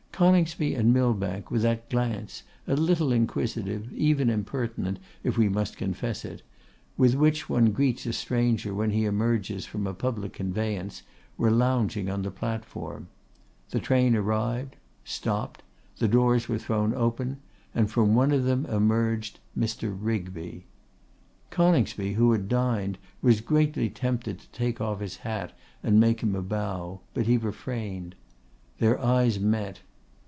Coningsby and Millbank, with that glance, a little inquisitive, even impertinent, if we must confess it, with which one greets a stranger when he emerges from a public conveyance, were lounging on the platform. The train arrived; stopped; the doors were thrown open, and from one of them emerged Mr. Rigby! Coningsby, who had dined, was greatly tempted to take off his hat and make him a bow, but he refrained. Their eyes met.